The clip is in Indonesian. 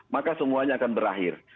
maka semuanya akan berakhir